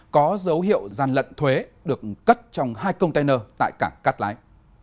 có dấu hiệu gian lận thuế được cất trong hai container tại cảng cát lái